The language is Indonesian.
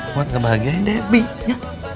buat ngebahagiain debbie ya